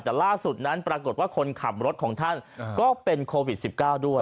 แต่ล่าสุดนั้นปรากฏว่าคนขับรถของท่านก็เป็นโควิด๑๙ด้วย